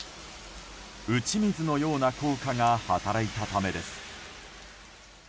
打ち水のような効果が働いたためです。